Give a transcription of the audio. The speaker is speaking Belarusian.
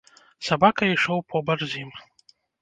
Сабака ішоў побач з ім.